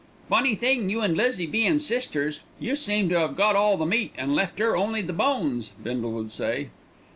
"Funny thing, you and Lizzie bein' sisters; you seem to have got all the meat an' left 'er only the bones!" Bindle would say.